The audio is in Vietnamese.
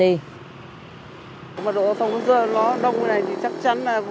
nếu mà đổ xong rồi nó đông như thế này thì chắc chắn là